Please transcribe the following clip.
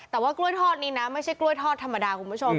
แต่ว่ากล้วยทอดนี้นะไม่ใช่กล้วยทอดธรรมดาคุณผู้ชม